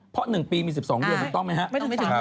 เพราะ๑ปีมี๑๒เดือนถูกต้องไหมครับ